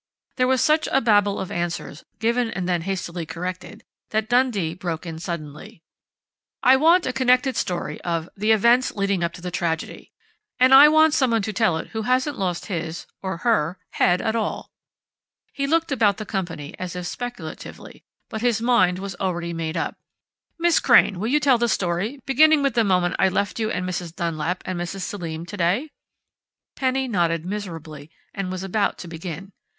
There was such a babel of answers, given and then hastily corrected, that Dundee broke in suddenly: "I want a connected story of 'the events leading up to the tragedy.' And I want someone to tell it who hasn't lost his or her head at all." He looked about the company, as if speculatively, but his mind was already made up. "Miss Crain, will you tell the story, beginning with the moment I left you and Mrs. Dunlap and Mrs. Selim today?" Penny nodded miserably and was about to begin.